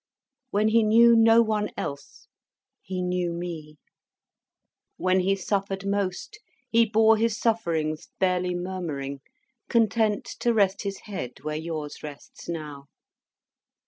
When he knew no one else, he knew me. When he suffered most, he bore his sufferings barely murmuring, content to rest his head where your rests now.